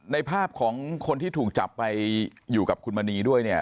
ในภาพของคนที่ถูกจับไปอยู่กับคุณมณีด้วยเนี่ย